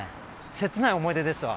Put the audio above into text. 切ない思い出ですわ。